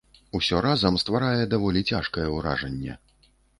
Усё разам стварае даволі цяжкае ўражанне.